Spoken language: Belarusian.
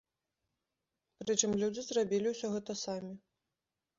Прычым людзі зрабілі ўсё гэта самі.